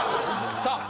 さあ！